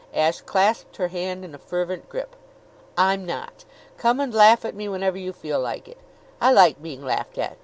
Ashe clasped her hand in a fervent grip. "I'm not. Come and laugh at me whenever you feel like it. I like being laughed at.